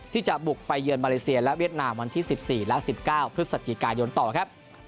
ที่จะบุกไปเยือนมาเลเซียและเวียดนามวันที่๑๔และ๑๙พฤศจิกายนต่อครับ